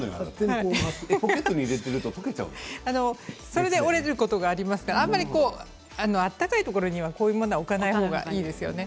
それで折れることがありますからあまり暖かいところにはこういうものは置かない方がいいですよね。